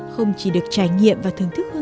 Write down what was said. không chỉ được trải nghiệm và thử nghiệm của các bạn